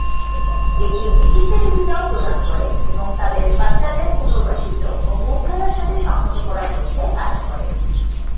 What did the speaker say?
এটি চিকিৎসা সুবিধাও প্রদান করে এবং তাদের বাচ্চাদের পুনর্বাসিত ও মূলধারার সাথে সংহত করার লক্ষ্যে কাজ করে।